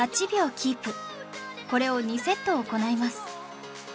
これを２セット行います